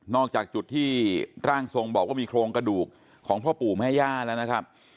จากจุดที่ร่างทรงบอกว่ามีโครงกระดูกของพ่อปู่แม่ย่าแล้วนะครับ